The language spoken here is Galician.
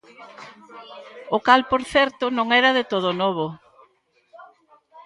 O cal, por certo, non era de todo novo.